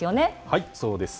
はいそうです。